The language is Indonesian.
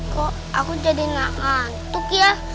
kok aku jadi gak ngantuk ya